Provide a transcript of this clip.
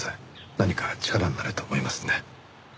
何か力になれると思いますんで。